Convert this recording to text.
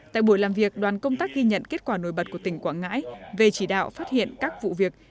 tại buổi làm việc đoàn công tác ghi nhận kết quả nổi bật của tỉnh quảng ngãi về chỉ đạo phát hiện các vụ việc